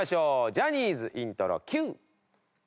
ジャニーズイントロＱ！